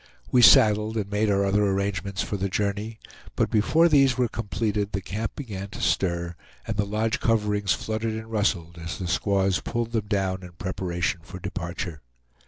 We saddled and made our other arrangements for the journey, but before these were completed the camp began to stir, and the lodge coverings fluttered and rustled as the squaws pulled them down in preparation for departure.